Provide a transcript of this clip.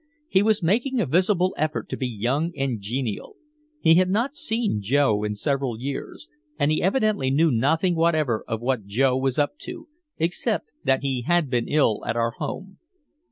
He was making a visible effort to be young and genial. He had not seen Joe in several years, and he evidently knew nothing whatever of what Joe was up to, except that he had been ill at our home.